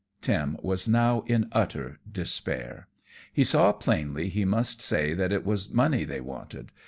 Tim was now in utter despair. He saw plainly he must say that it was money they wanted.